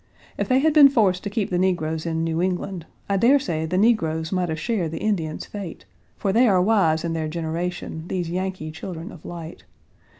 If they had been forced to keep the negroes in New England, I dare say the negroes might have shared the Indians' fate, for they are wise in their generation, these Yankee children of light.